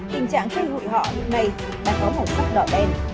tình trạng chơi hụi họ hiện nay đang có màu sắc đỏ đen